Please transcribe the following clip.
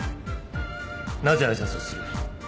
なぜ挨拶をする？